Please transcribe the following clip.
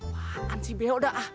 makan si beo dah